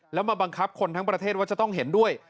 แล้วมาบังคับคนทั้งประเทศว่าจะต้องเห็นด้วย